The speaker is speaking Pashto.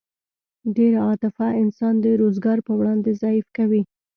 ډېره عاطفه انسان د روزګار په وړاندې ضعیف کوي